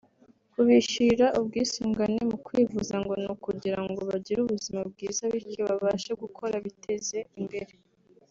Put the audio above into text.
Kubishyurira ubwisungane mu kwivuza ngo ni ukugira ngo bagire ubuzima bwiza bityo babashe gukora biteze imbere